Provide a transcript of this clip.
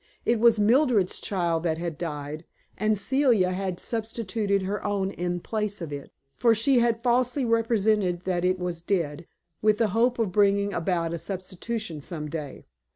It was Mildred's child that had died, and Celia had substituted her own in place of it. For she had falsely represented that it was dead, with the hope of bringing about a substitution some day.